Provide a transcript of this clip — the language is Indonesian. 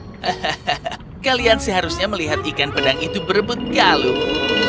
hahaha kalian seharusnya melihat ikan pedang itu berebut kalung